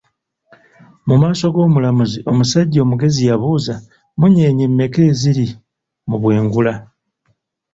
Mu maaso g'omulamuzi, omusajja omugezi yabuuza, mmunyeenye mmeka eziri mu bwengula?